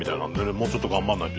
もうちょっと頑張らないと。